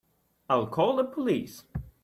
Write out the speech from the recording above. I'll call the police.